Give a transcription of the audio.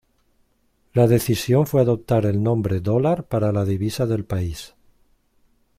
La decisión fue adoptar el nombre "dólar" para la divisa del país.